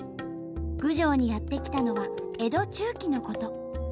郡上にやって来たのは江戸中期のこと。